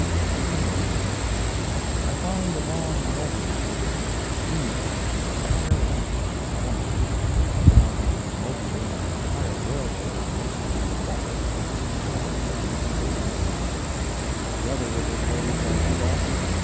STEAMBOATING I find the long levee bordered with steamboats its entire length, as formerly, and now that the Mobile and Ohio Railroad is mostly under water, they are doing a heavy business South. The other river trades are good also.